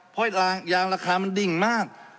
เพราะยางราคามันดิ่งมาก